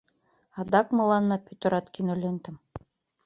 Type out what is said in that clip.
Адак мыланна пӱтырат кинолентым